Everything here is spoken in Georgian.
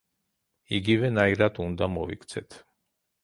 იგივე ნაირად უნდა მოვიქცეთ.